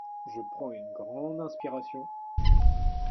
Je prends une grande inspiration.